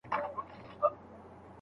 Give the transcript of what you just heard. علمي تحقیق له اجازې پرته نه کارول کیږي.